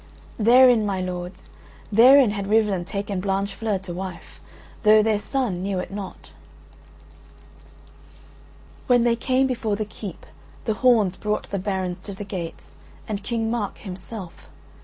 (Therein, my lords, therein had Rivalen taken Blanchefleur to wife, though their son knew it not.) When they came before the keep the horns brought the barons to the gates and King Mark himself.